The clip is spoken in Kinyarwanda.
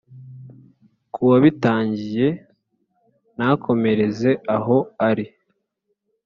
ku wabitangiye nakomereze aho ari